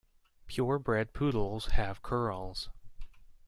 Pure bred poodles have curls.